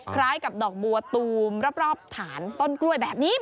คล้ายกับดอกบัวตูมรอบฐานต้นกล้วยแบบนี้